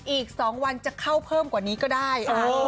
อีก๒วันจะเข้าเพิ่มกว่านี้ก็ได้